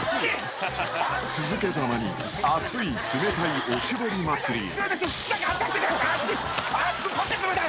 ［続けざまに熱い冷たいおしぼり祭りへ］